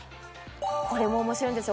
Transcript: これも面白いんですよ。